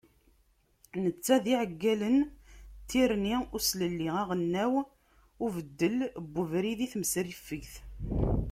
Netta d iɛeggalen n ti rni n uselelli aɣelnaws ubeddel n ubrid i temsrifegt.